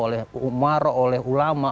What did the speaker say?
oleh umar oleh ulama